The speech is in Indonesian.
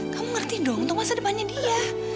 kamu ngerti dong untuk masa depannya dia